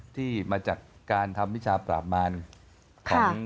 ที่มาจากการทำวิชาประมาณ